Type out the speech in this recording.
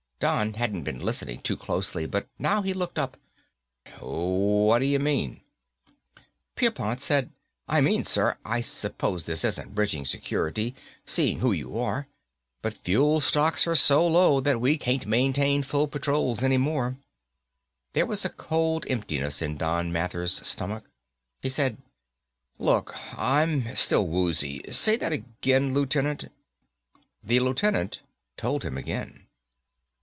Don hadn't been listening too closely, but now he looked up. "What'd'ya mean?" Pierpont said, "I mean, sir, I suppose this isn't bridging security, seeing who you are, but fuel stocks are so low that we can't maintain full patrols any more." There was a cold emptiness in Don Mathers' stomach. He said, "Look, I'm still woozy. Say that again, Lieutenant." The Lieutenant told him again.